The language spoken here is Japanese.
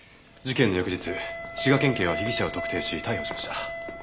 事件の翌日滋賀県警は被疑者を特定し逮捕しました。